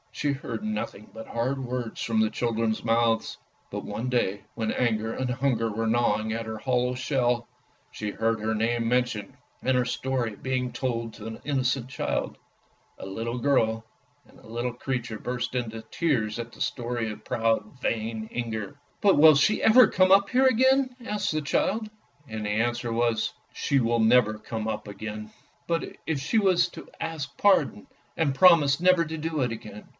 She heard nothing but hard words from the children's mouths. But one day when anger and hunger were gnawing at her hollow shell, she heard her name mentioned, and her story being told to an innocent child, a little girl, and the little creature burst into tears at the story of proud, vain Inger. i2 4 ANDERSEN'S FAIRY TALES " But will she never come up here again? " asked the child, and the answer was, " She will never come up again." " But if she was to ask pardon, and promise never to do it again?